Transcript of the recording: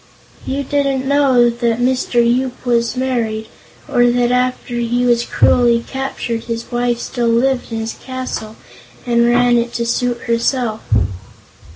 "You didn't know that Mr. Yoop was married, or that after he was cruelly captured his wife still lived in his castle and ran it to suit herself."